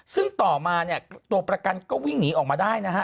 ซึ่งต่อมาเนี่ยตัวประกันก็วิ่งหนีออกมาได้นะฮะ